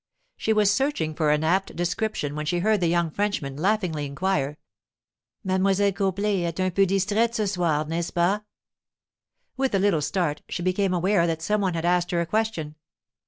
She was searching for an apt description when she heard the young Frenchman laughingly inquire: 'Mademoiselle Copley est un peu distraite ce soir, n'est ce pas?' With a little start, she became aware that some one had asked her a question.